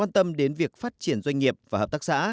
tầm đến việc phát triển doanh nghiệp và hợp tác xã